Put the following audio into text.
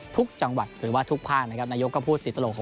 ทุกจังหวัดถือว่าทุกผ้านายกก็พูดติดตลก